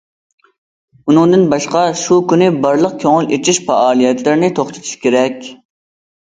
ئۇنىڭدىن باشقا، شۇ كۈنى بارلىق كۆڭۈل ئېچىش پائالىيەتلىرىنى توختىتىش كېرەك.